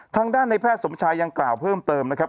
ทางด้านในแพทย์สมชายยังกล่าวเพิ่มเติมนะครับ